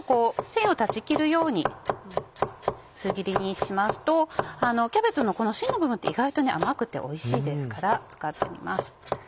繊維を断ち切るように薄切りにしますとキャベツのしんの部分って意外と甘くておいしいですから使ってみます。